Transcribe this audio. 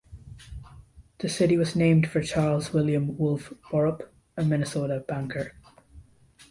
The city was named for Charles William Wulff Borup, a Minnesota banker.